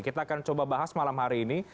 kita akan coba bahas malam hari ini